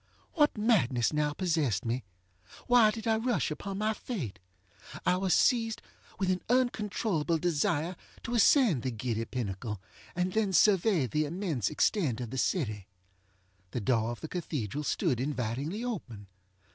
What madness now possessed me? Why did I rush upon my fate? I was seized with an uncontrollable desire to ascend the giddy pinnacle, and then survey the immense extent of the city. The door of the cathedral stood invitingly open.